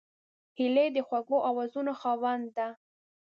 هیلۍ د خوږو آوازونو خاوند ده